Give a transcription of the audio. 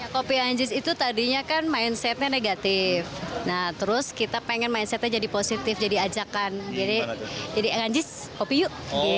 kopi anjis itu tadinya kan mindsetnya negatif nah terus kita pengen mindsetnya jadi positif jadi ajakan jadi anjis kopi yuk